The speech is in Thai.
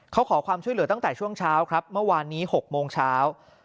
เขาขอความช่วยเหลือตั้งแต่ช่วงเช้าครับเมื่อวานนี้๖โมงเช้า